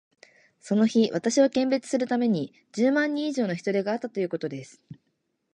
その日、私を見物するために、十万人以上の人出があったということです。